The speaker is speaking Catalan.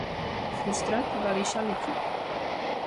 Frustrat, va deixar l'equip.